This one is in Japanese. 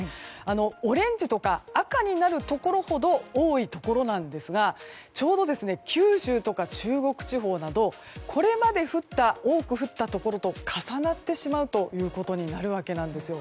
オレンジとか赤になるところほど多いところなんですがちょうど九州とか中国地方などこれまで多く降ったところと重なってしまうことになるわけなんです。